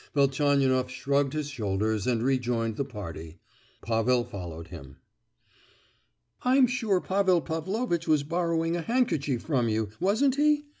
Velchaninoff shrugged his shoulders and re joined the party. Pavel followed him. "I'm sure Pavel Pavlovitch was borrowing a handkerchief from you, wasn't he?